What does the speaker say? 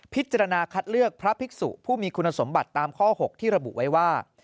พิจารณาคัดเลือกพระภิกษุผู้มีคุณสมบัติตามข้อ๖ที่ระบุไว้ว่า